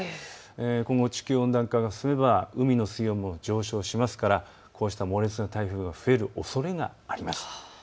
今後、地球温暖化が進めば海の水温も上昇しますからこうした猛烈な台風が増えるおそれがあります。